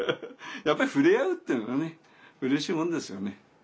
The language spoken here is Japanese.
やっぱり触れ合うっていうのはねうれしいもんですよね。